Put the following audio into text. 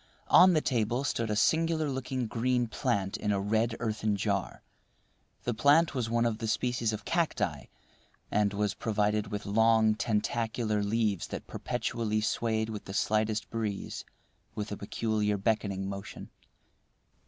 On the table stood a singular looking green plant in a red earthen jar. The plant was one of the species of cacti, and was provided with long, tentacular leaves that perpetually swayed with the slightest breeze with a peculiar beckoning motion.